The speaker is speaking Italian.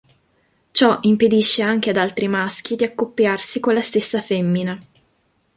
Ciò impedisce anche ad altri maschi di accoppiarsi con la stessa femmina.